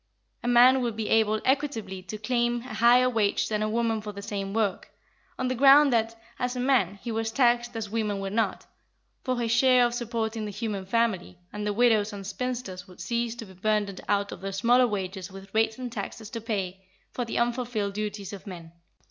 A man would be able equitably to claim a higher wage than a woman for the same work, on the ground that, as a man, he was taxed as women were not, for his share of supporting the human family, and the widows and spinsters would cease to be burdened out of their smaller wages with rates and taxes to pay for the unfulfilled duties of men.